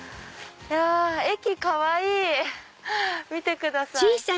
駅かわいい見てください。